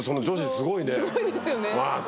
すごいですよね。